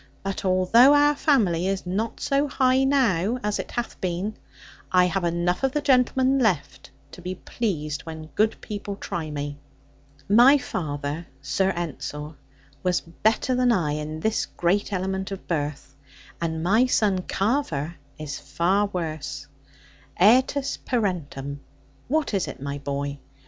But although our family is not so high now as it hath been, I have enough of the gentleman left to be pleased when good people try me. My father, Sir Ensor, was better than I in this great element of birth, and my son Carver is far worse. Aetas parentum, what is it, my boy?